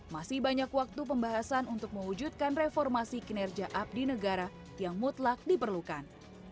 masih banyak waktu pembahasan untuk mewujudkan reformasi kinerja abdi negara yang mutlak diperlukan